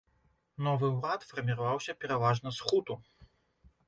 Новы ўрад фарміраваўся пераважна з хуту.